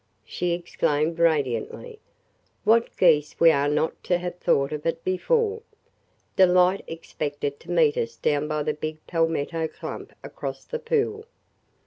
she exclaimed radiantly, "what geese we are not to have thought of it before! Delight expected to meet us down by the big palmetto clump across the pool.